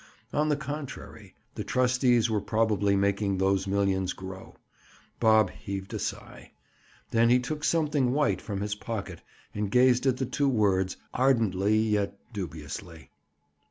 On the contrary, the trustees were probably making those millions grow. Bob heaved a sigh. Then he took something white from his pocket and gazed at two words, ardently yet dubiously.